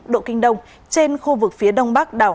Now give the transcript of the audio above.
một trăm một mươi chín độ kinh đông trên khu vực phía đông bắc đảo